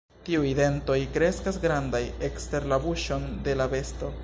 Tiuj dentoj kreskas grandaj, ekster la buŝon de la besto.